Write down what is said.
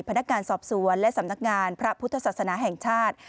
พนักงานสอบสวนและสำนักงานพระพุทธศาสนาแห่งชาติ